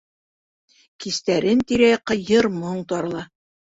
Кистәрен тирә-яҡҡа йыр-моң тарала.